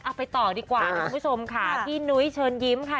ไปต่อดีกว่าคุณผู้ชมค่ะพี่นุ้ยเชิญยิ้มค่ะ